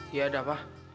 iya ada pak